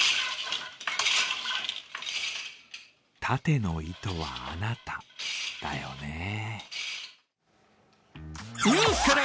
縦の糸はあなただよね。